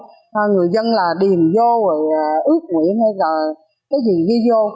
cứ đưa giấy cho người dân là điền vô ước nguyện hay là cái gì đi vô